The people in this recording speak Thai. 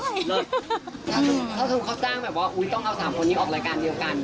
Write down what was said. ก็คือเขาจ้างแบบว่าต้องเอา๓คนนี้ออกรายการเดียวกัน